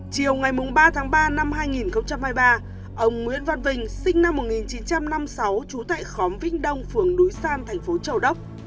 chiều ngày ba tháng ba năm hai nghìn hai mươi ba ông nguyễn văn vinh sinh năm một nghìn chín trăm năm mươi sáu trú tại khóm vĩnh đông phường núi sam thành phố châu đốc